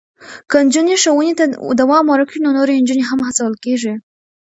که نجونې ښوونې ته دوام ورکړي، نو نورې نجونې هم هڅول کېږي.